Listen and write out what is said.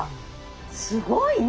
すごいな！